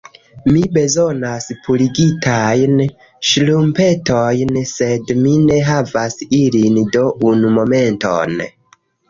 Mi bezonas purigitajn ŝtrumpetojn sed mi ne havas ilin do... unu momenton...